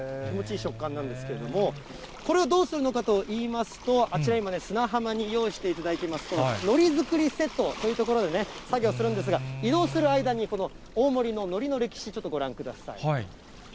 気持ちいい食感なんですけれども、これをどうするのかといいますと、あちらに今、砂浜に用意していただいています、こののり作りセットという所で作業するんですが、移動する間に、この大森ののりの歴史、ちょっとご覧ください。